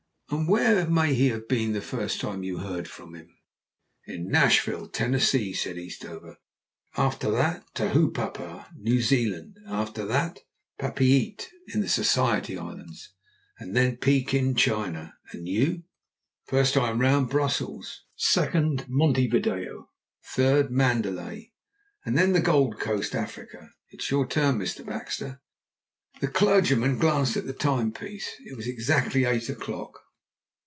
"And where may he have been the first time you heard from him?" "In Nashville, Tennessee," said Eastover. "After that, Tahupapa, New Zealand; after that, Papeete, in the Society Islands; then Pekin, China. And you?" "First time, Brussels; second, Monte Video; third, Mandalay, and then the Gold Coast, Africa. It's your turn, Mr. Baxter." The clergyman glanced at the timepiece. It was exactly eight o'clock.